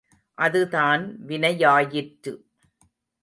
அது தான் வினையாயிற்று.